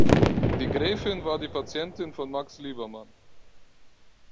Die Gräfin war die Patientin von Max Liebermann.